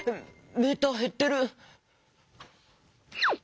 メーターへってる。